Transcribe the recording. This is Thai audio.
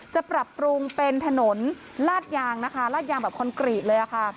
จะปรับปรุงเป็นถนนลาดยางนะคะลาดยางแบบคอนกรีตเลยค่ะ